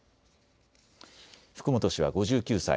福本氏は５９歳。